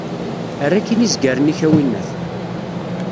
Err akkin izgaren-ik a winnat.